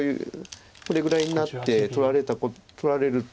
これぐらいになって取られると。